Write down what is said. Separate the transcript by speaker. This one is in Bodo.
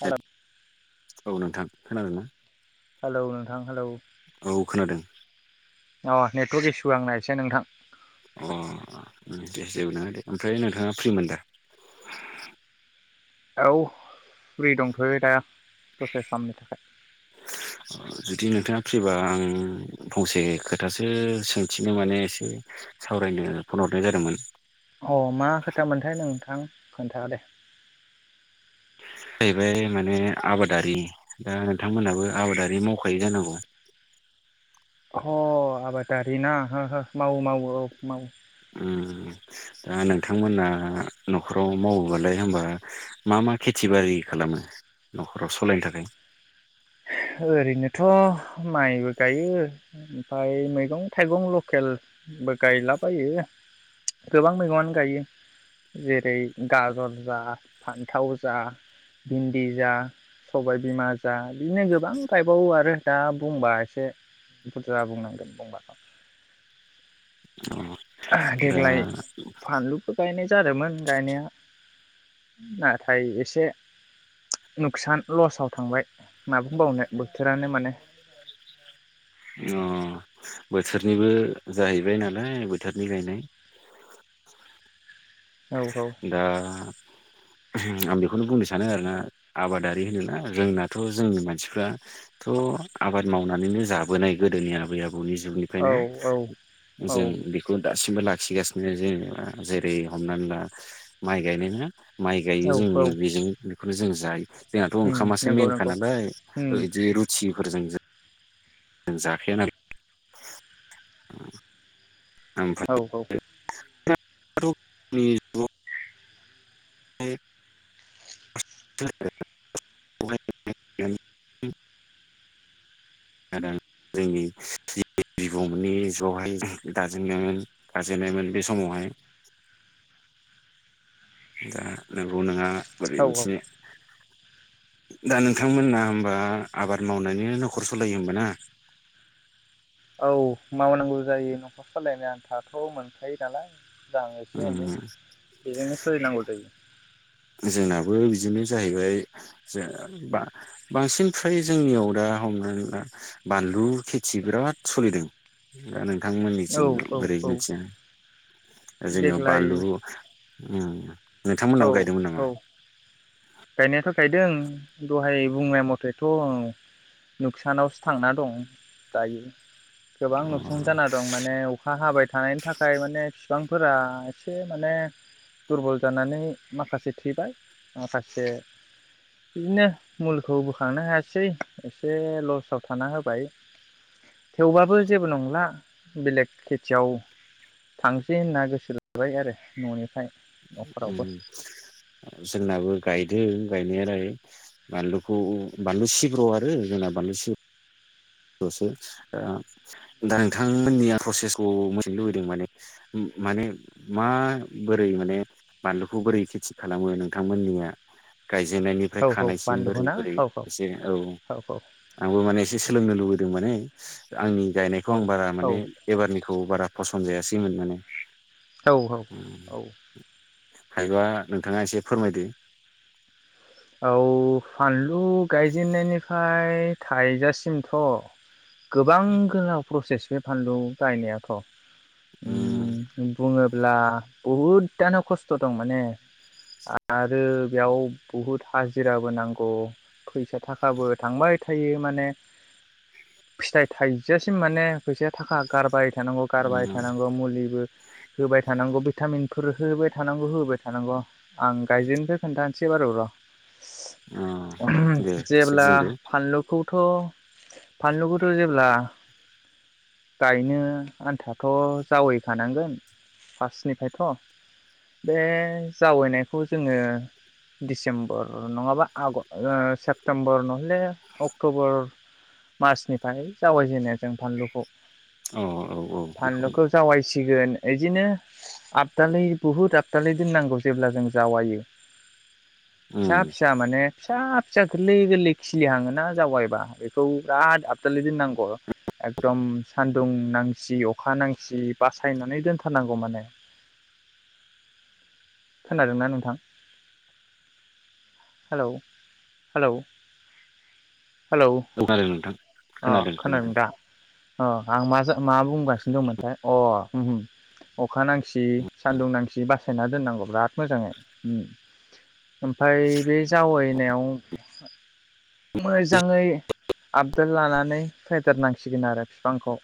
Speaker 1: हेलौ
Speaker 2: औ नोंथां खोनादों ना?
Speaker 1: हेलौ नोंथां हेलौ
Speaker 2: औ खोनादों
Speaker 1: अ नेटवर्क इसु आंना एसे नोंथां
Speaker 2: अ दे जेबो नङा दे ओमफ्राय नोंथाङा फ्रिमोन दा?
Speaker 1: औ फ्रि दंथ'यो दा दसे समनि थाखाय
Speaker 2: जुदि नोंथाङा फ्रिबा आं फंसे खोथासो सोंथिनो माने एसे सावरायनो फन हरनाय जादोंमोन।
Speaker 1: अ मा खोथा मोनथाय नोंथां? खोन्था दे।
Speaker 2: जाहैबाय माने आबादारि दा नोंथांमोनहाबो आबादारि मावखायो जानांगौ।
Speaker 1: ह आबादारि ना हो हो मावो मावो औ मावो।
Speaker 2: उम दा नोंथांमोना न'खराव मावोबालाय होनबा मा मा खेथि बारि खालामो न'खराव सालायनो थाखाय
Speaker 1: ओरैनोथ' माइबो गायो ओमफाय मैगं थाइगं लकेलबो गायलाबायो गोबां मैगङानो गायो जेरै गाजर जा फान्थाव जा भिन्दि जा सबायबिमा जा बिदिनो गोबां गायबावो आरो दा बुंबा एसे बुरजा बुंनांगोन बुंबाथ'
Speaker 2: अ दा
Speaker 1: देग्लाय फानलुबो गायनाय जादोंमोन गायनाया नाथाय एसे नुखसान लसाव थांबाय। मा बुंबावनो बोथोरानो माने
Speaker 2: अ बोथोरनिबो जाहैबाय नालाय बोथोरनि गायनाय।
Speaker 1: औ औ
Speaker 2: दा आं बेखौनो बुंनो सानो आरोना आबादारि होनोना जोंनाथ' जोंनि मानसिफ्राथ' आबाद मावनानैनो जाबोनाय गोदोनि आबै आ बौनि
Speaker 1: औ
Speaker 2: जुगनिफ्रायनो
Speaker 1: औ
Speaker 2: जों बेखौ दासिमबो ला खिगासिनो जेनेबा जेरै हमनानै ला माइ गायनाय ना माइ गायो
Speaker 1: औ औ
Speaker 2: जोङो बेजों बेखौनो जों जाय जोंनाथ'
Speaker 1: उम
Speaker 2: ओंखामासो
Speaker 1: नंगौ
Speaker 2: मेनखा
Speaker 1: नंगौ
Speaker 2: नालाय ओ
Speaker 1: उम
Speaker 2: इदि रुथिफोरजों जों जों जाखाया नाल
Speaker 1: औ औ
Speaker 2: [inaudible] [inaudible] [unintelligible] [unintelligible] जोंनि [unintelligible] बिबौमोननि जुगावहाय दाजेन [unintelligible] मोन दाजेननायमोन बे समावहाय दा नोंगौ नोङा बोरै
Speaker 1: औ औ
Speaker 2: मिथिनो दा नोंथांमोना होमबा आबाद मावनानैनो न'खर सालायो होमबा ना?
Speaker 1: औ मावनांगौ जायो। न'खर सालायनो आन्थाथ' मोनखायो नालाय। दा आं एसे एनै
Speaker 2: उम
Speaker 1: बेजोंनो सलिनांगौ जायो।
Speaker 2: जोंनाबो बिदिनो जाहैबाय ज बा बांसिन फ्राय जोंनियाव दा हमनानै बानलु खेथि बिराद सलिदों। दा नों [unintelligible] नोंथांमोननिथिं
Speaker 1: औ औ
Speaker 2: बोरै
Speaker 1: औ
Speaker 2: मिथिया। जेनब
Speaker 1: देग्लाय
Speaker 2: बानलु उम
Speaker 1: औ
Speaker 2: नोंथांमोनाव गाय
Speaker 1: औ गायनायाथ' गायदों दहाय बुंनाय मथेथ' नुखसानावसो थांना दं दायो। गोबां
Speaker 2: अ
Speaker 1: नुखसान जाना दं माने अखा हाबाय थानायनि थाखाय माने बिबां फोरा एसे माने दुरबल जानानै माखासे थैबाय माखासे एसे बिदिनो मुुलिखौ बोखांनो हायासै एसे लसाव थाना होबाय। थेवबाबो जेबो नंला। बेलेग खेथियाव थांसै होनना गोसो जाबाय आरो न'निफ्राय न'खरावबो
Speaker 2: जोंनाबो गायदों गायनायालाय बानलुखौ बानलु सिब्र' आरो जोंना बानलु सिब्र' जसो दा नोंथांमोननिया प्रसेसखौ मोनोजनो लुबैदों माने माने मा बोरै माने बानलुखौ बोरै खेथि खालामो नोंथांमोननिया गायजेननायनिफ्राय
Speaker 1: औ औ
Speaker 2: खानायसिम
Speaker 1: बानलुखौ
Speaker 2: बोरै
Speaker 1: ना
Speaker 2: बोरै
Speaker 1: औ
Speaker 2: एसे औ आंबो माने एसे लुबैदों माने। आंनि गायनायखौ आं बारा माने एबारनिखौ बारा फस खनजायासैमोन माने।
Speaker 1: औ औ औ
Speaker 2: हायोबा नोंथाङा एसे फोरमायदो।
Speaker 1: औ फान थु गायजेननायनिफ्राय थाइजासिमथ' गोबां गोलाव प्रसेस बे फानलु गायनायाथ' उम बुंङो ब्ला बहुदनो खस्थ' दं माने आरो बेयाव बुहुद हाजिराबो नांगौ फैसा थाखाबो थांबाय थायो माने थानांगौ गारबाय
Speaker 2: उम
Speaker 1: थानांगौ मुलिबो। होबाय थानांगौ भिटामिनफोर होबाय थानांगौ होोबाय थानांगौ आं गाइजेननिफ्राय खोन्थानोसै बार' र' [unintelligible]
Speaker 2: अ दे
Speaker 1: [unintelligible]
Speaker 2: एसे
Speaker 1: जेब्ला
Speaker 2: बुंदो
Speaker 1: फानलुखौ थ' फानलुखौथ' जेब्ला गायनो आन्थाथ' जावैखानांगोन फार्टनिफ्रायथ' बे जावैनायखौ जोङो सेप्तेम्बर नङाबा सेप्तेम्बर नहले अक्ट'बर मार्चनिफ्राय जावायजेनो जों फानलुखौ
Speaker 2: औ औ औ बेखौ
Speaker 1: सिगोन बिदिनो आबदालै बुहुद आबदालै दोननांगौ जेब्ला जों जावायो
Speaker 2: उम
Speaker 1: फिसा फिसा माने फिसा फिसा गोरलै गोरलै खि लि हाङोना जावायबा बेखौ बिराद आबदालि दोननांगौ एकदम सानदुं नांसि अखा नांसि बासायनानै दोनथारनांगौ माने खोनादोंना नोंथां? हेलौ हेलौ हेलौ
Speaker 2: औ खोनादों नोंथां
Speaker 1: अ खोनादों दा अ आं मा जा मा बुंगासिनो दंमोनथाय अ अखा नांसि सान्दुं नांसि बासायना दोननांगौ बिराद मोजाङै ओमफ्राय बे जावै नायाव मोजाङै [unintelligible] लानानै [unintelligible] नांसिगोन आरो बिफांखौ